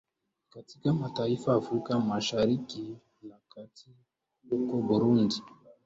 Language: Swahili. katika mataifa afrika mashariki na kati huko burundi